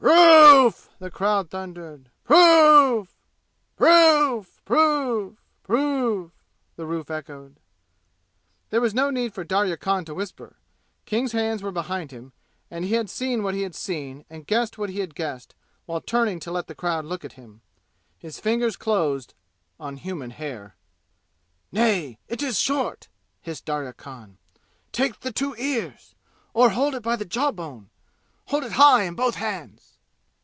"Proof!" the crowd thundered. "Proof!" "Proof! Proof! Proof!" the roof echoed. There was no need for Darya Khan to whisper. King's hands were behind him, and he had seen what he had seen and guessed what he had guessed while he was turning to let the crowd look at him. His fingers closed on human hair. "Nay, it is short!" hissed Darya Khan. "Take the two ears, or hold it by the jawbone! Hold it high in both hands!"